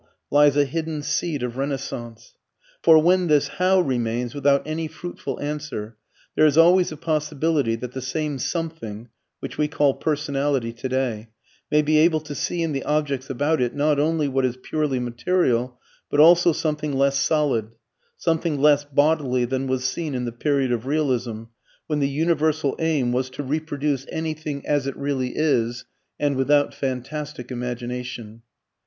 lies a hidden seed of renaissance. For when this "how?" remains without any fruitful answer, there is always a possibility that the same "something" (which we call personality today) may be able to see in the objects about it not only what is purely material but also something less solid; something less "bodily" than was seen in the period of realism, when the universal aim was to reproduce anything "as it really is" and without fantastic imagination.